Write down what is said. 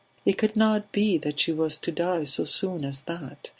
It could not be that she was to die so soon as that.